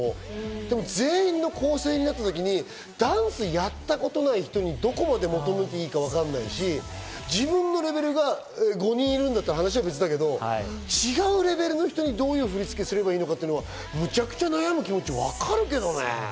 でも全員の構成になったときに、ダンスやったことない人にどこまで求めていいか分からないし、自分のレベルが５人いるなら話は別だけど、違うレベルの人にどう振り付けをすればいいのか、めちゃくちゃ悩む気持ち、わかるけどね。